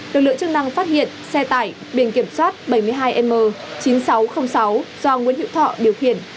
lực lượng chức năng phát hiện xe tải biển kiểm soát bảy mươi hai m chín nghìn sáu trăm linh sáu do nguyễn hữu thọ điều khiển